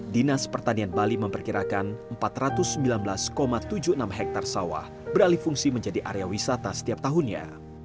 dinas pertanian bali memperkirakan empat ratus sembilan belas tujuh puluh enam hektare sawah beralih fungsi menjadi area wisata setiap tahunnya